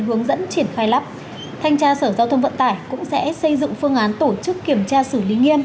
hướng dẫn triển khai lắp thanh tra sở giao thông vận tải cũng sẽ xây dựng phương án tổ chức kiểm tra xử lý nghiêm